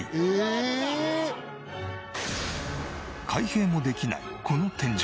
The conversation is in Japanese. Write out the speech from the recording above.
開閉もできないこの天井。